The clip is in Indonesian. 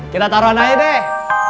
kita taroan aja deh